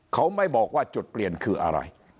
เขาไม่บอกว่าจุดเปลี่ยนคืออะไร